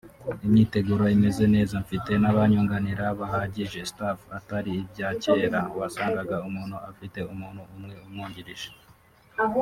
Imyiteguro imeze neza mfite n’abanyunganira bahagije (Staff) atari ibya cyera wasangaga umuntu afite umuntu umwe umwungirije